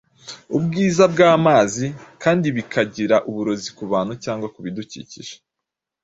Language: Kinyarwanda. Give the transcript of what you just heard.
ubwiza bw’amazi kandi bikagira uburozi ku bantu cyangwa ku bidukikije.